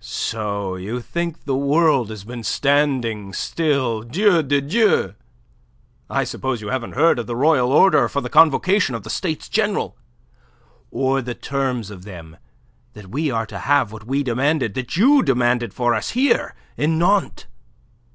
"So you think the world has been standing still! Dieu de Dieu! I suppose you haven't heard of the royal order for the convocation of the States General, or the terms of them that we are to have what we demanded, what you demanded for us here in Nantes!